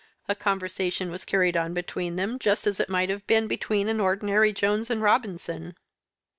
A conversation was carried on between them just as it might have been between an ordinary Jones and Robinson.